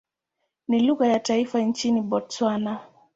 Ni lugha ya taifa nchini Botswana.